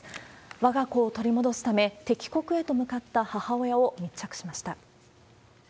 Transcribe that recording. わが子を取り戻すため、敵国へと向かった母親を密着しました。